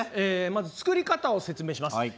まず作り方を説明します。